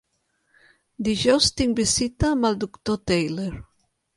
Dijous tinc visita amb el doctor Theiler.